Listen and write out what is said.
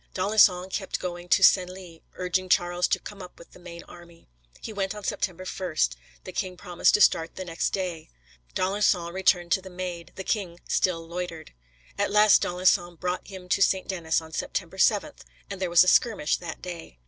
D'Alençon kept going to Senlis urging Charles to come up with the main army. He went on September 1 the king promised to start next day. D'Alençon returned to the Maid, the king still loitered. At last d'Alençon brought him to St. Denis on September 7, and there was a skirmish that day.